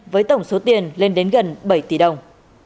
với tổng số tiền lên đến gần bảy tỷ đồng